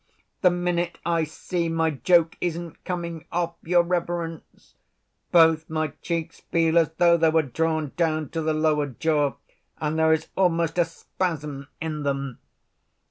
The minute I see my joke isn't coming off, your reverence, both my cheeks feel as though they were drawn down to the lower jaw and there is almost a spasm in them.